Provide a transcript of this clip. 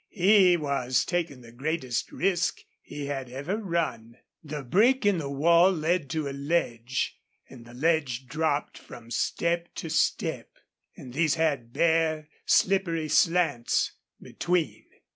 He was taking the greatest risk he had ever run. The break in the wall led to a ledge, and the ledge dropped from step to step, and these had bare, slippery slants between.